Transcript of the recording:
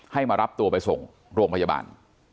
มารับตัวไปส่งโรงพยาบาล